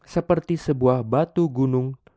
seperti sebuah batu gunung